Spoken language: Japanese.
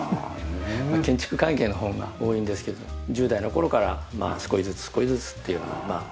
建築関係の本が多いんですけど１０代の頃から少しずつ少しずつっていうのではい。